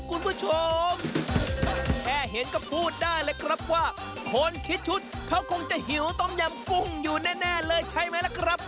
คุณผู้ชมแค่เห็นก็พูดได้เลยครับว่าคนคิดชุดเขาคงจะหิวต้มยำกุ้งอยู่แน่เลยใช่ไหมล่ะครับ